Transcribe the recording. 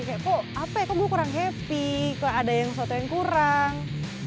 sampai kok gue kurang happy kok ada yang kurang